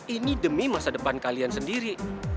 ini demi masa depan kalian sendiri